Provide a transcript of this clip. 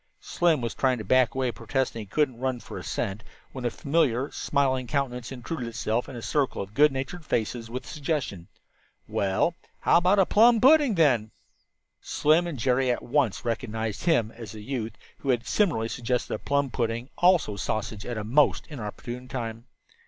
Slim was trying to back away, protesting that he "couldn't run for a cent," when a familiar, smiling countenance intruded itself in the circle of good natured faces with the suggestion: "Well, how about a plum pudding, then?" Slim and Jerry at once recognized him as the youth who had similarly suggested a plum pudding, also sausage, at a most inopportune time.